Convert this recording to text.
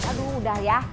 aduh udah ya